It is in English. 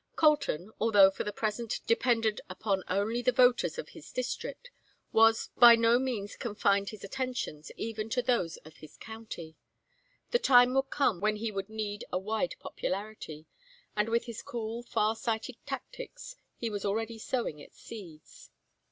Colton, although for the present dependent upon only the voters of his district, by no means confined his attentions even to those of his county. The time would come when he would need a wide popularity, and with his cool far sighted tactics he was already sowing its seeds.